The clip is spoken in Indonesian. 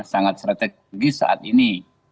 sangat strategis saat ini